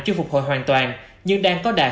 chưa phục hồi hoàn toàn nhưng đang có đạt